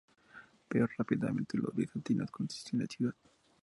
Pero rápidamente los bizantinos conquistan la ciudad.